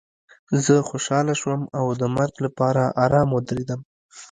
زه خوشحاله شوم او د مرګ لپاره ارام ودرېدم